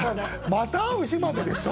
「また逢う日まで」でしょ